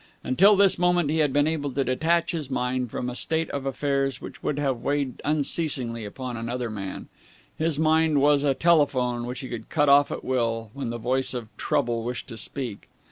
Until this moment he had been able to detach his mind from a state of affairs which would have weighed unceasingly upon another man. His mind was a telephone which he could cut off at will, when the voice of Trouble wished to speak.